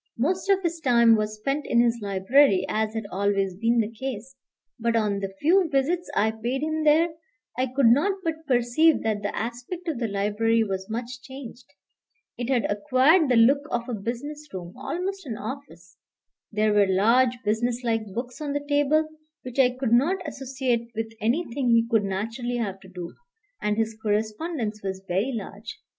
Most of his time was spent in his library, as had always been the case. But on the few visits I paid him there, I could not but perceive that the aspect of the library was much changed. It had acquired the look of a business room, almost an office. There were large business like books on the table, which I could not associate with anything he could naturally have to do; and his correspondence was very large.